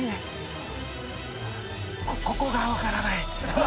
ここが分からない。